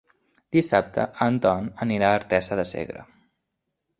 Dissabte en Ton anirà a Artesa de Segre.